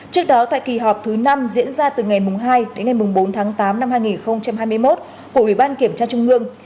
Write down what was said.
trước đó tại kỳ họp thứ năm diễn ra từ ngày hai đến ngày bốn tháng tám năm hai nghìn hai mươi một của ủy ban kiểm tra trung ương